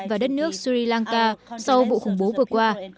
và đất nước sri lanka sau vụ khủng bố vừa qua